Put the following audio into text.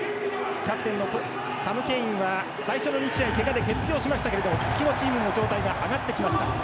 キャプテンのサム・ケインは最初の２試合けがで欠場しましたけれども復帰後、チームの状態が上がってきました。